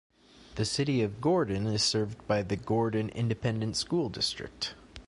The City of Gordon is served by the Gordon Independent School District.